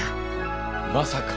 まさか。